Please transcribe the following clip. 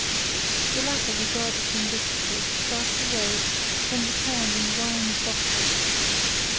The latter regarded him wistfully, started away, then returned and whined softly.